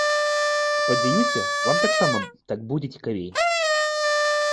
Спадзяюся, вам таксама так будзе цікавей.